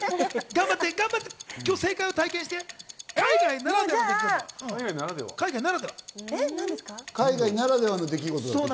頑張って、今日正解を体験し海外ならではの出来事。